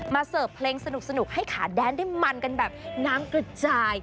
เสิร์ฟเพลงสนุกให้ขาแดนได้มันกันแบบน้ำกระจาย